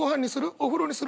お風呂にする？